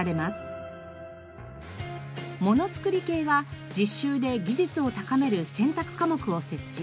ものつくり系は実習で技術を高める選択科目を設置。